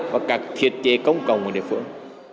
và các thiết chế công cộng của địa phương